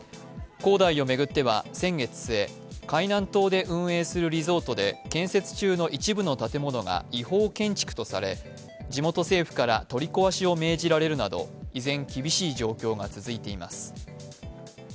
恒大を巡っては先月末、海南島で運営するリゾートで建設中の一部の建物が違法建築とされ地元政府から取り壊しを命じられるなど依然、厳しい状況が続いています。